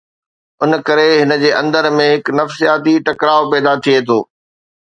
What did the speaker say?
ان ڪري هن جي اندر ۾ هڪ نفسياتي ٽڪراءُ پيدا ٿئي ٿو.